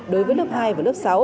đối với lớp hai và lớp sáu